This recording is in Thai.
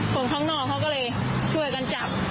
คนข้างนอกเขาก็เลยช่วยกันจับ